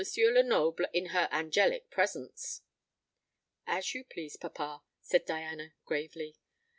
Lenoble in her angelic presence." "As you please, papa," said Diana gravely.